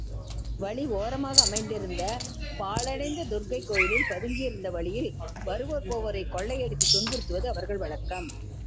வழி ஓரமாக அமைந்திருந்த பாழடைந்த துர்க்கை கோயிலில் பதுங்கியிருந்து வழியில் வருவோர் போவோரைக் கொள்ளையடித்துத் துன்புறுத்துவது அவர்கள் வழக்கம்.